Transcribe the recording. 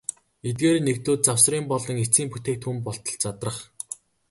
Эдгээр нэгдлүүд завсрын болон эцсийн бүтээгдэхүүн болтол задрах.